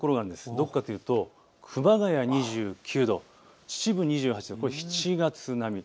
どこかというと熊谷２９度、秩父２８度、これは７月並み。